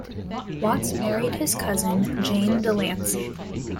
Watts married his cousin Jane DeLancey.